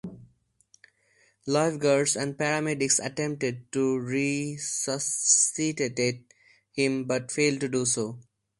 Lifeguards and paramedics attempted to resuscitate him but failed to do so.